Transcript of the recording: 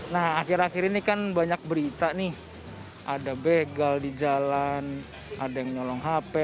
nah akhir akhir ini kan banyak berita nih ada begal di jalan ada yang nyolong hp